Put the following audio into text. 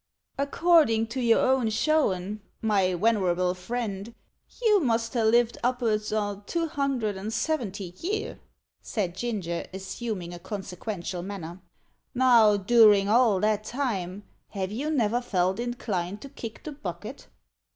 "Accordin' to your own showin', my wenerable friend, you must ha' lived uppards o' two hundred and seventy year," said Ginger, assuming a consequential manner. "Now, doorin' all that time, have you never felt inclined to kick the bucket?"